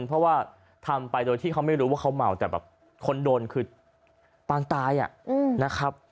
เพราะว่าทำไปโดยที่เขาไม่รู้ว่าเขาเมาแต่แบบคนโดนคือปางตายนะครับ